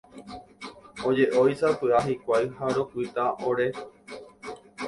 Oje'ói sapy'a hikuái ha ropyta ore.